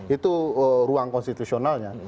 itu ruang konstitusionalnya